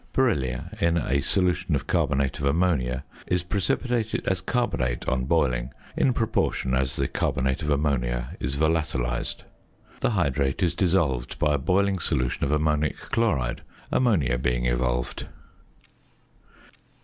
Beryllia, in a solution of carbonate of ammonia, is precipitated as carbonate on boiling in proportion as the carbonate of ammonia is volatilised. The hydrate is dissolved by a boiling solution of ammonic chloride, ammonia being evolved.